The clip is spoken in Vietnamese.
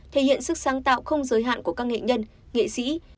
thể hiện sức sáng tạo không giới hạn của các nghệ nhân nghệ sĩ